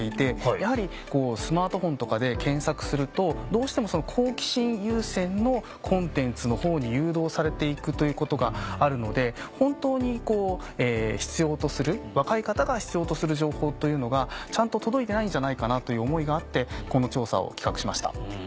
やはりスマートフォンとかで検索するとどうしてもその好奇心優先のコンテンツの方に誘導されていくということがあるので本当に必要とする若い方が必要とする情報というのがちゃんと届いてないんじゃないかなという思いがあってこの調査を企画しました。